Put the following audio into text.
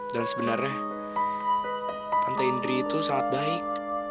dan sebenarnya tante indri itu sangat baik